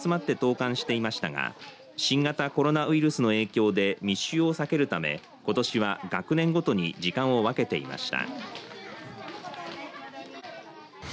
例年だと、すべての園児が一緒に集まって投かんしていましたが新型コロナウイルスの影響で密集を避けるためことしは学年ごとに時間を分けていました。